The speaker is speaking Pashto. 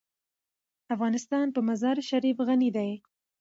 افغانستان په مزارشریف غني دی.